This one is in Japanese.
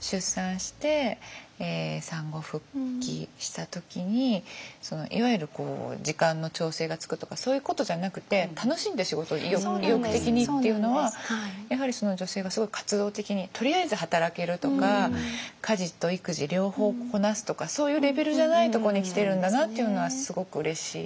出産して産後復帰した時にいわゆる時間の調整がつくとかそういうことじゃなくて楽しんで仕事意欲的にっていうのはやはり女性がすごい活動的にとりあえず働けるとか家事と育児両方こなすとかそういうレベルじゃないとこに来てるんだなっていうのはすごくうれしい。